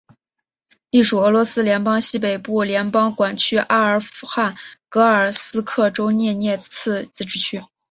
隶属俄罗斯联邦西北部联邦管区阿尔汉格尔斯克州涅涅茨自治区。